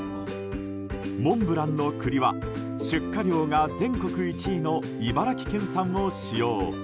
モンブランの栗は出荷量が全国１位の茨城県産を使用。